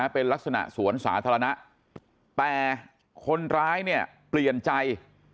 เป็นลักษณะสวนสาธารณะแต่คนร้ายเนี่ยเปลี่ยนใจ